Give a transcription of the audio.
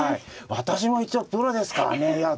私も一応プロですからね。